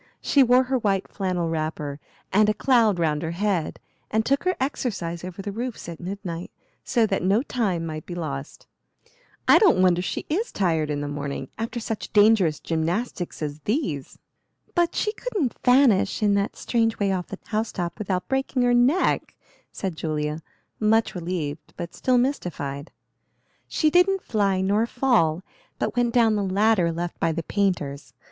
She wore her white flannel wrapper, and a cloud round her head, and took her exercise over the roofs at midnight, so that no time might be lost. I don't wonder she is tired in the morning, after such dangerous gymnastics as these." "But she couldn't vanish in that strange way off the house top without breaking her neck," said Julia, much relieved, but still mystified. "She didn't fly nor fall, but went down the ladder left by the painters.